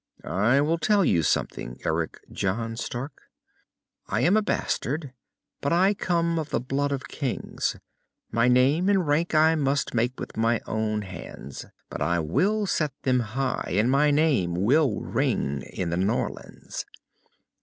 "I will tell you something, Eric John Stark. I am a bastard, but I come of the blood of kings. My name and rank I must make with my own hands. But I will set them high, and my name will ring in the Norlands!